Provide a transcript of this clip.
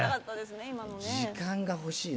時間がほしいな。